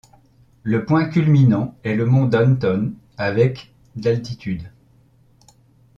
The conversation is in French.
Le point culminant est le mont Downton avec d'altitude.